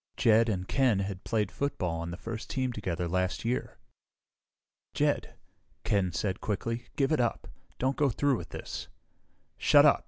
Jed and Ken had played football on the first team together last year. "Jed," Ken said quickly, "give it up! Don't go through with this!" "Shut up!"